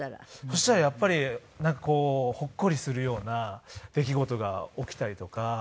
そしたらやっぱりなんかほっこりするような出来事が起きたりとか。